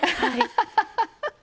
アハハハハ。